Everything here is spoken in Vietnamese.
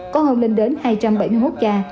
có hơn lên đến hai trăm bảy mươi một ca